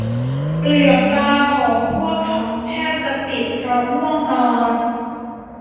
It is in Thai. เปลือกตาของพวกเขาแทบจะปิดเพราะง่วงนอน